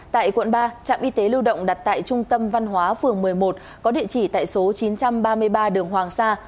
tại quận ba trạm y tế lưu động đặt tại trung tâm văn hóa phường một mươi một có địa chỉ tại số chín trăm ba mươi ba đường hoàng sa